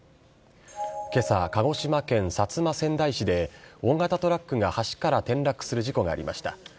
けさ、鹿児島県薩摩川内市で、大型トラックが橋から転落する事故がありました。